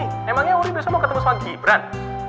emangnya wuri besok mau ketemu soal gibran